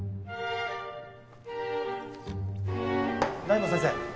大門先生。